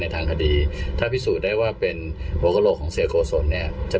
ในทางคดีถ้าพิสูจน์ได้ว่าเป็นโลกของเสียโกศนเนี่ยจะ